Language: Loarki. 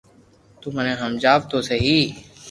تو مني ھمجاو تو سھي